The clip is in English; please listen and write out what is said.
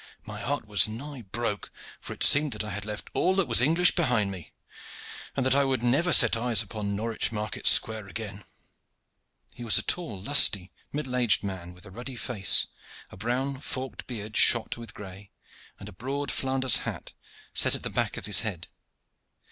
My heart was nigh broke, for it seemed that I had left all that was English behind me, and that I would never set eyes upon Norwich market square again." He was a tall, lusty, middle aged man with a ruddy face, a brown forked beard shot with gray, and a broad Flanders hat set at the back of his head.